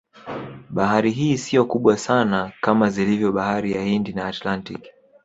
Bahari hii siyo kubwa sana kama zilivyo Bahari ya hindi na Atlantiki